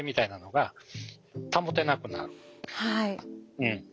うん。